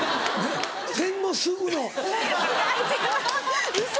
戦後すぐの。